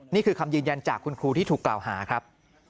นี่คือคำยืนยันจากคุณครูที่ถูกกล่าวหาครับ